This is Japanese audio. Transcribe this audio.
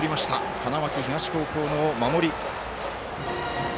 花巻東高校の守り。